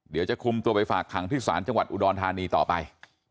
เดี๋ยวจะคุมตัวไปฝากขังที่ศาลจังหวัดอุดรธานีต่อไป